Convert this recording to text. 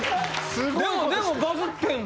でもでもバズってんの？